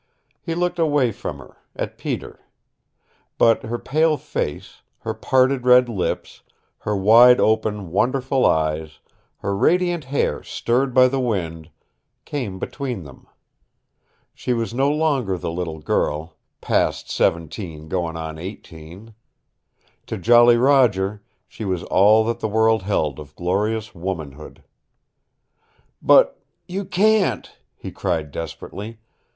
He looked away from her at Peter. But her pale face, her parted red lips, her wide open, wonderful eyes, her radiant hair stirred by the wind came between them. She was no longer the little girl "past seventeen, goin' on eighteen." To Jolly Roger she was all that the world held of glorious womanhood. "But you can't!" he cried desperately.